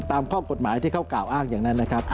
ตามข้อกฎหมายที่เขากล่าวอ้างอย่างนั้นนะครับ